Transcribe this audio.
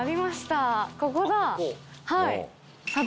ここだ。